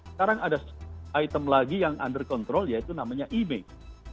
sekarang ada item lagi yang under control yaitu namanya email